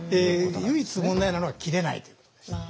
唯一問題なのは切れないということです。